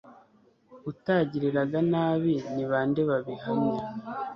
utagiriraga nabi ni ba nde babihamya